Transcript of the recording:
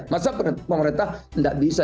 masa pemerintah gak bisa